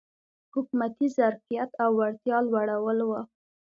حکومتي ظرفیت او وړتیا لوړول و.